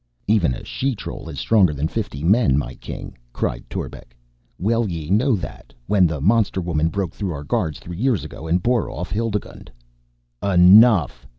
"Even a she troll is stronger than fifty men, my king," cried Torbek. "Well ye know that, when the monster woman broke through our guards three years ago and bore off Hildigund." "Enough!"